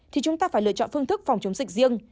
thì chúng ta phải lựa chọn phương thức phòng chống dịch riêng